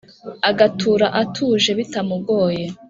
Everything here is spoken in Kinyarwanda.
agatura atuje bitamugoye